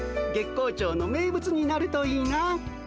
月光町の名物になるといいな。